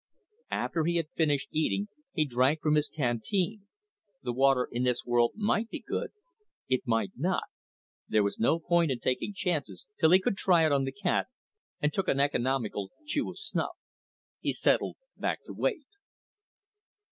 After he had finished eating he drank from his canteen the water in this world might be good, it might not, there was no point in taking chances till he could try it on the cat and took an economical chew of snuff. He settled back to wait.